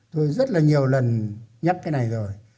tôi rất nhiều lần nhắc cái này rồi